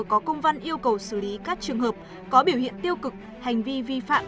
có công văn yêu cầu xử lý các trường hợp có biểu hiện tiêu cực hành vi vi phạm